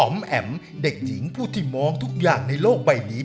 แอ๋มเด็กหญิงผู้ที่มองทุกอย่างในโลกใบนี้